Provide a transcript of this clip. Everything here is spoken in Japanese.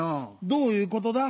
どういうことだ？